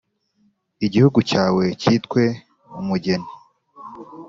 igihugu cyawe cyitwe «umugeni»,